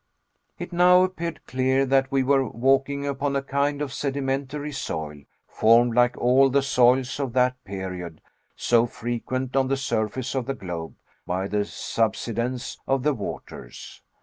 It now appeared clear that we were walking upon a kind of sedimentary soil, formed like all the soils of that period, so frequent on the surface of the globe, by the subsidence of the waters.